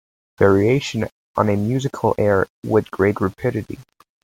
Variations on a musical air With great rapidity.